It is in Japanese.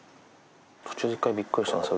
途中で１回びっくりしたんですよ